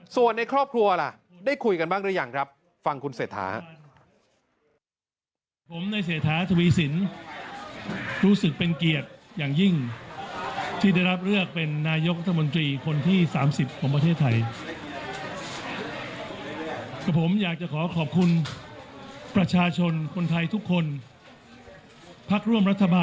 ส่วนในครอบครัวล่ะได้คุยกันบ้างหรือยังครับ